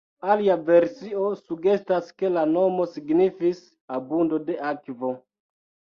Alia versio sugestas ke la nomo signifis “abundo de akvo”.